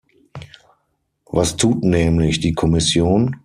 Was tut nämlich die Kommission?